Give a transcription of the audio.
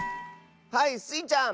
はいスイちゃん！